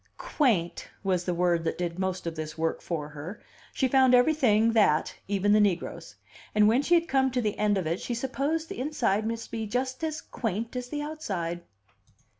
"Quaint" was the word that did most of this work for her; she found everything that, even the negroes; and when she had come to the end of it, she supposed the inside must be just as "quaint" as the outside.